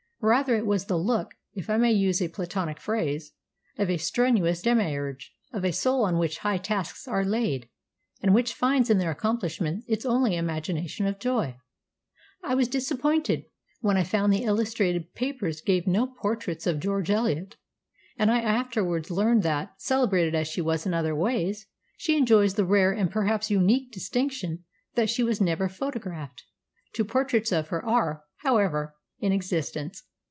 Rather it was the look (if I may use a platonic phrase) of a strenuous Demiurge, of a soul on which high tasks are laid, and which finds in their accomplishment its only imagination of joy." [Sidenote: William Morgan's George Eliot. *] "I was disappointed when I found the illustrated papers gave no portraits of George Eliot, and I afterwards learned that, celebrated as she is in other ways, she enjoys the rare, and perhaps unique, distinction that she was never photographed. Two portraits of her are, however, in existence.